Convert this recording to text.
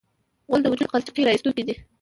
غول د وجود غلچکي راایستونکی دی.